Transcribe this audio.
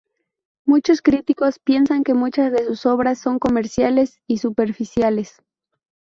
Muchos críticos piensan que muchas de sus obras son comerciales y superficiales.